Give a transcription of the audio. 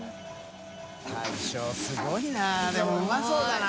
臂すごいなでもうまそうだな